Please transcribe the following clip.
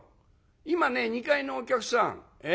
今ね２階のお客さんえ？